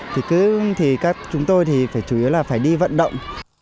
thì cứ thì các chúng tôi thì phải chủ yếu là phải đi vận động